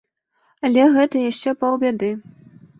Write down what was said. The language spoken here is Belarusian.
Але гэта яшчэ паўбяды.